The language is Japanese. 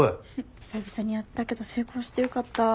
久々にやったけど成功してよかった。